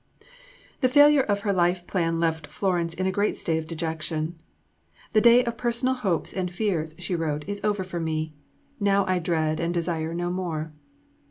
The failure of her plan left Florence in a state of great dejection. "The day of personal hopes and fears," she wrote, "is over for me. Now I dread and desire no more."